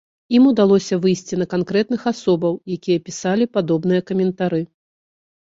Ім удалося выйсці на канкрэтных асобаў, якія пісалі падобныя каментары.